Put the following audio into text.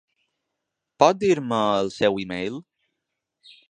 Pot dir-me el seu e-mail?